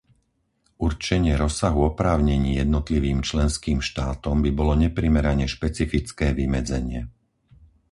Určenie rozsahu oprávnení jednotlivým členským štátom by bolo neprimerane špecifické vymedzenie.